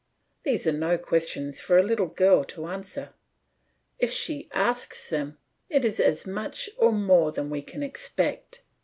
These are no questions for a little girl to answer; if she asks them, it is as much or more than we can expect.